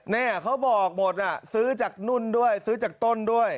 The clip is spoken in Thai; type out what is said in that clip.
เนี่ยเขาบอกหมดซื้อจากนุ่นด้วยซื้อจากต้นด้วย